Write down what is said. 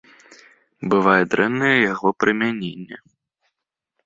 Бывае дрэннае яго прымяненне.